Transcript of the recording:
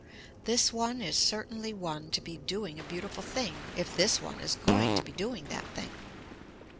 This one is certainly one to be doing a beautiful thing if this one is going to be doing that thing.